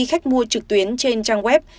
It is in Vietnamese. khách mua trực tuyến trên trang web